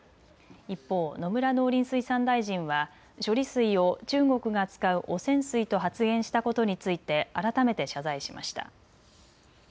一方、野村農林水産大臣は処理水を中国が使う汚染水と発言したことについて改めて謝罪しました。